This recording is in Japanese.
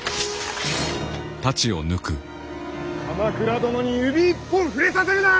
鎌倉殿に指一本触れさせるな！